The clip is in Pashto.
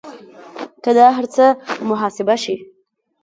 که دا هر څه محاسبه شي